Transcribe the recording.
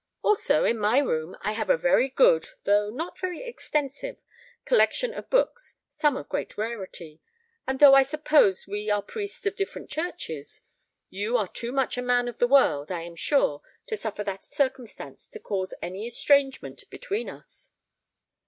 Also in my room I have a very good, though not very extensive, collection of books, some of great rarity; and though I suppose we are priests of different churches, you are too much a man of the world, I am sure, to suffer that circumstance to cause any estrangement between us."